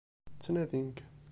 Ttnadin-k.